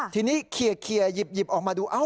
ทีนี้เคลียร์หยิบออกมาดู